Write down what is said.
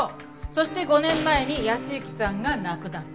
そして５年前に靖之さんが亡くなった。